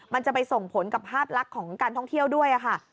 มันจะไปส่งผลกับภาพลักษณ์ของการท่องเที่ยวด้วยค่ะ